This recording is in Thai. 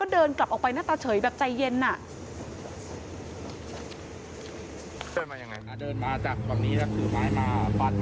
เดินมาจากตรงนี้เราฝาดกลับก่อนครับ